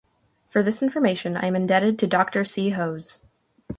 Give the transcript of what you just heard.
For this information I am indebted to Dr. C. Hose.